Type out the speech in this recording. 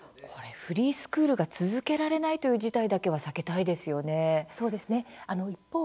フリースクールが続けられないという事態だけは避けたいですよね。